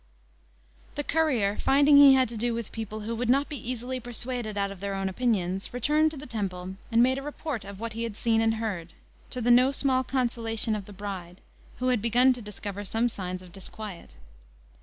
The courier, finding he had to do with people who would not be easily persuaded out of their own opinions, returned to the temple, and made a report of what he had seen and heard, to the no small consolation of the bride, who had begun to discover some signs of disquiet.